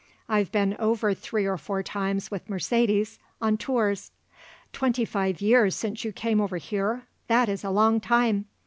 I've been over three or four times with Mercedes; on tours." "Twenty five years since you came over here? That is a long time."